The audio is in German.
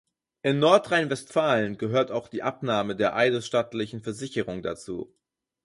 In Nordrhein-Westfalen gehört auch die Abnahme der eidesstattlichen Versicherung dazu.